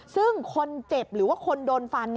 ซึ่งคนเจ็บหรือว่าคนโดนฟัน